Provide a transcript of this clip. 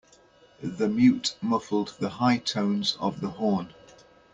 The mute muffled the high tones of the horn.